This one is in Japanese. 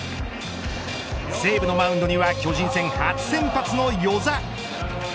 西武のマウンドには巨人戦初先発の與座。